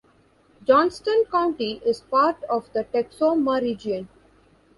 Johnston County is part of the Texoma Region.